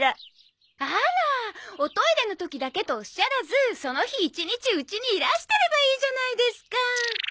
あらおトイレの時だけとおっしゃらずその日一日うちにいらしてればいいじゃないですか。